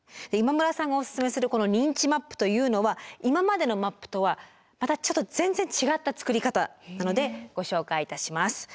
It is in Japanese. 今村さんがおすすめするこの認知マップというのは今までのマップとはまたちょっと全然違った作り方なのでご紹介いたします。